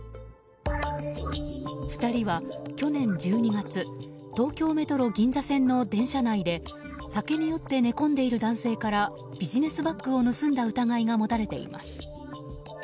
２人は去年１２月東京メトロ銀座線の電車内で酒に酔って寝込んでいる男性からビジネスバッグを盗んだ疑いが持たれています。